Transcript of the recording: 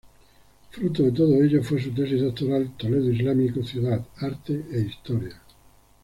Fruto de todo ello fue su tesis doctoral, "Toledo islámico: ciudad, arte e historia".